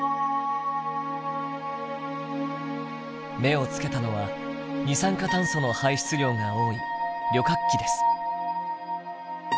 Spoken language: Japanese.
目を付けたのは二酸化炭素の排出量が多い旅客機です。